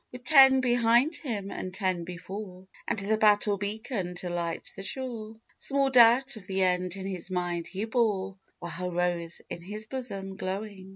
With ten behind him and ten before, And the battle beacon to light the shore, Small doubt of the end in his mind he bore, With her rose in his bosom glowing.